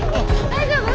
大丈夫？